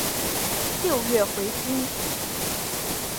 六月回军。